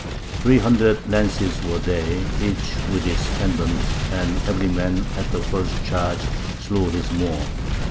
Three hundred lances were they, each with its pendant, and every man at the first charge slew his Moor.